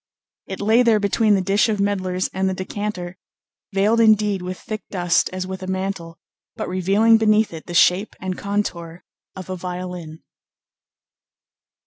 It lay there between the dish of medlars and the decanter, veiled indeed with thick dust as with a mantle, but revealing beneath it the shape and contour of a violin.